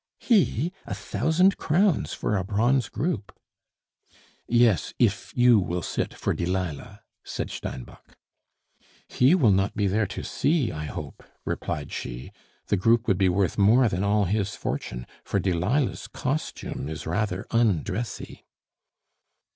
"He! a thousand crowns for a bronze group?" "Yes if you will sit for Delilah," said Steinbock. "He will not be there to see, I hope!" replied she. "The group would be worth more than all his fortune, for Delilah's costume is rather un dressy."